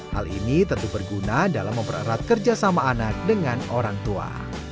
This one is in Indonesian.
hal ini tentu berguna dalam mempererat kerjasama anak dengan orang tua